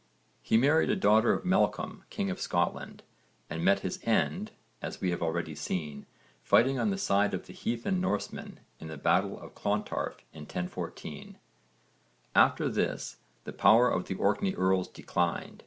He married a daughter of Malcolm king of Scotland, and met his end, as we have already seen, fighting on the side of the heathen Norsemen in the battle of Clontarf in 1014. After this the power of the Orkney earls declined.